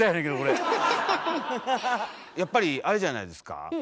やっぱりあれじゃないですか